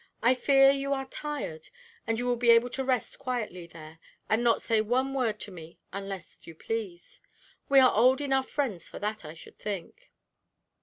I fear you are tired, and you will be able to rest quietly there, and not say one word to me unless you please we are old enough friends for that, I should think."